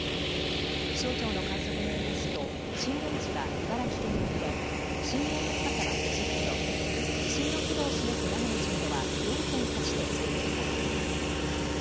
気象庁の観測によりますと震源地は茨城県沖で震源の深さは５０キロ、地震の規模を示すマグニチュードは４．８と推定されています。